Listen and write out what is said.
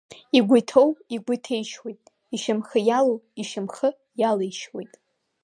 Игәы иҭоу игәы иҭеишьуеит, ишьамхы иалоу ишьамхы иалеишьуеит.